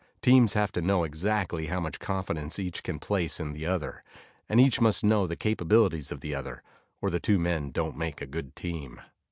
Teams have to know exactly how much confidence each can place in the other, and each must know the capabilities of the other, or the two men don't make a good team.